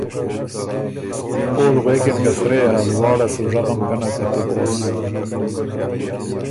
اول غوېکِن که ”سرۀ يې هۀ لواړه سُو ژغم ګۀ نک که تُو بو غؤس“